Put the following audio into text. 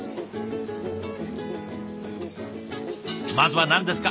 まずは何ですか？